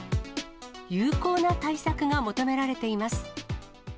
有効な対策が求められています。